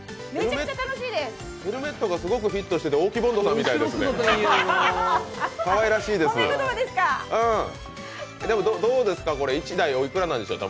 ヘルメットがすごくフィットしてて大木凡人さんみたいです、かわいらしい。